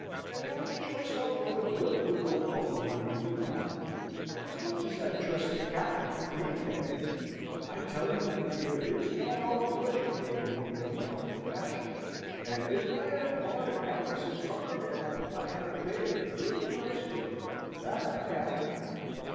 And I would trust our brother Will with untold money, wouldn't I? As much as I'd trust the cat with the cream pan! I tell you, my dear, it's not all pleasure being a woman of rank and fashion: and if I have bought a countess's coronet, I have paid a good price for it that I have!"